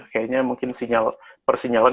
kayaknya mungkin persinyalan